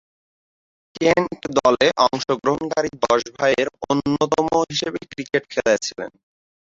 Kent দলে অংশগ্রহণকারী দশ ভাইয়ের অন্যতম হিসেবে ক্রিকেট খেলেছিলেন।